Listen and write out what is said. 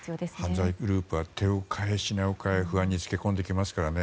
犯罪グループは手を変え、品を変え不安に付け込んできますからね